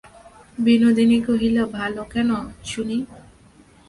বিনোদিনী কহিল, ভালো কেন, শুনি।